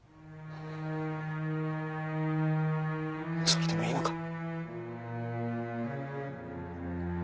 それでもいいのか？